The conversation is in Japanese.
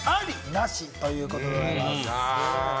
なし？ということでございます。